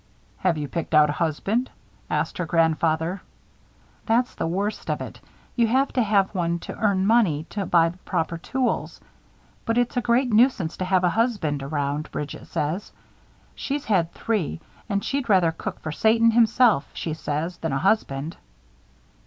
"Have you picked out a husband?" asked her grandfather. "That's the worst of it. You have to have one to earn money to buy the proper tools. But it's a great nuisance to have a husband around, Bridget says. She's had three; and she'd rather cook for Satan himself, she says, than a husband!"